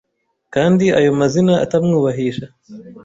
kandi ayo mazina atamwubahisha.